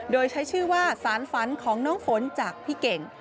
โดยใช้ชื่อว่าสารฝันของน้องฝนจากพี่เก่ง